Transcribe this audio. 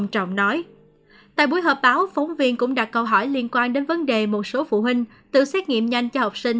trong buổi họp báo phóng viên cũng đặt câu hỏi liên quan đến vấn đề một số phụ huynh tự xét nghiệm nhanh cho học sinh